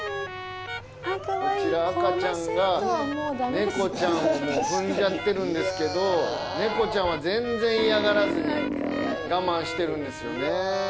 猫ちゃんを踏んじゃってるんですけど猫ちゃんは全然嫌がらずに我慢してるんですよね。